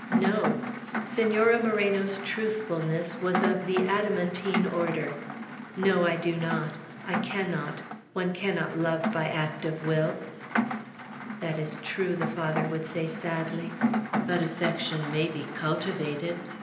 "No." Senora Moreno's truthfulness was of the adamantine order. "No, I do not. I cannot. One cannot love by act of will." "That is true," the Father would say sadly; "but affection may be cultivated."